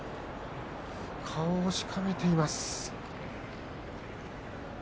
顔をしかめています。